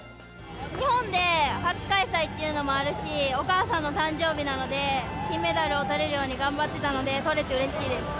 日本で初開催っていうのもあるし、お母さんの誕生日なので、金メダルをとれるように頑張ってたので、とれてうれしいです。